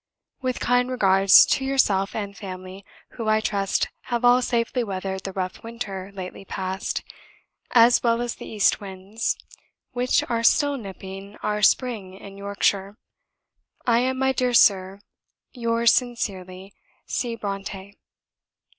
"With kind regards to yourself and family, who, I trust, have all safely weathered the rough winter lately past, as well as the east winds, which are still nipping our spring in Yorkshire, I am, my dear Sir, yours sincerely, C. BRONTË."